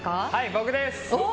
僕です。